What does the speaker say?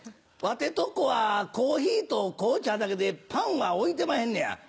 わてとこはコーヒーと紅茶だけでパンは置いてまへんねや。